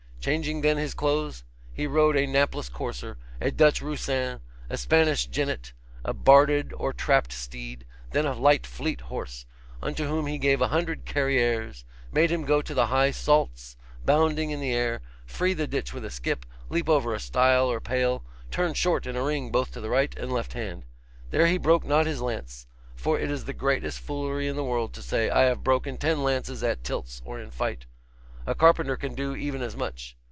Changing then his clothes, he rode a Naples courser, a Dutch roussin, a Spanish jennet, a barded or trapped steed, then a light fleet horse, unto whom he gave a hundred carieres, made him go the high saults, bounding in the air, free the ditch with a skip, leap over a stile or pale, turn short in a ring both to the right and left hand. There he broke not his lance; for it is the greatest foolery in the world to say, I have broken ten lances at tilts or in fight. A carpenter can do even as much.